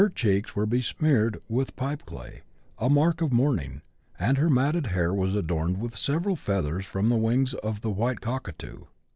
105 cheeks were besmeared with pipeclay, a mark of mourning, and her matted hair was adorned with several feathers from the wings of the white cockatoo.